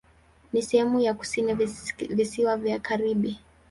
Ni sehemu ya kusini Visiwa vya Karibi.